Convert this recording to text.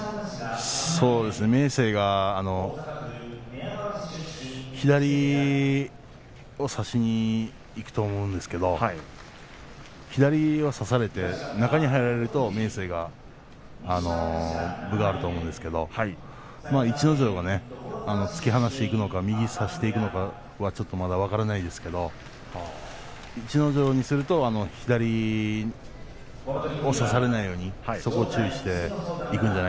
明生は左を差しにいくと思うんですけど左を差されて中に入られると明生が分があると思うんですけど逸ノ城が突き放していくのか右差しでいくのかまだ分からないですけど逸ノ城にすると左を差されないようにそこを注意していくんじゃ